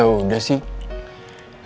ya udah sih